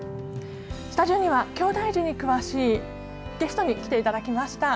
スタジオにはきょうだい児に詳しいゲストに来てもらいました。